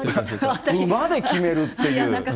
馬で決めるっていう。